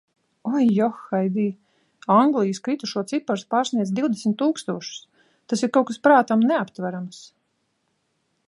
Oi, johaidī, Anglijas kritušo cipars pārsniedz divdesmit tūkstošus, tas ir kaut kas prātam neaptverams.